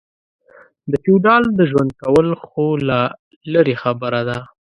د فېوډال د ژوند کول خو لا لرې خبره ده.